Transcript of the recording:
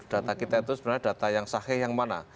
data kita itu sebenarnya data yang sahih yang mana